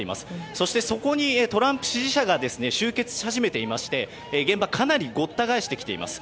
そしてそこにトランプ支持者が集結し始めていて現場はかなりごった返しています。